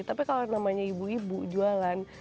tapi kalau namanya ibu ibu jualan